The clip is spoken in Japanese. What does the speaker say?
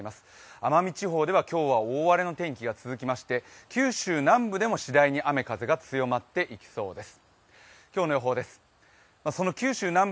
奄美地方では今日は大荒れの天気が続きまして、九州南部でも次第に雨風が強まっていきそうです。